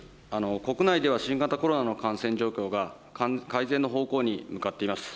国内では、新型コロナの感染状況が改善の方向に向かっています。